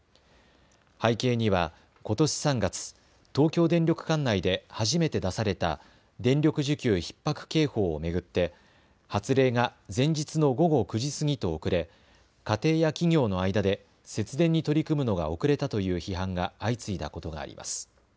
背景にはことし３月、東京電力管内で初めて出された電力需給ひっ迫警報を巡って発令が前日の午後９時過ぎと遅れ家庭や企業の間で節電に取り組むのが遅れたという批判が相次いだことがあります。